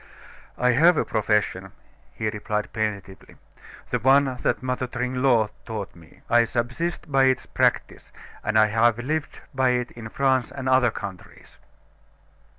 "I have a profession," he replied plaintively. "The one that Mother Tringlot taught me. I subsist by its practise; and I have lived by it in France and other countries."